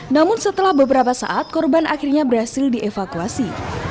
namun setelah beberapa saat korban akhirnya berhasil dievakuasi